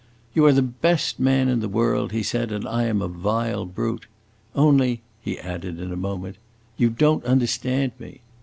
"You are the best man in the world," he said, "and I am a vile brute. Only," he added in a moment, "you don't understand me!"